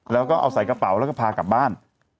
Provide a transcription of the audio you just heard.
แล้วก็เอาใส่กระเป๋าแล้วก็พากลับบ้าน